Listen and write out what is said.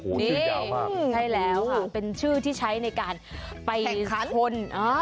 โอ้โหชื่อยาวมากใช่แล้วค่ะเป็นชื่อที่ใช้ในการไปทน